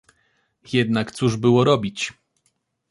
"Jednak cóż było robić!"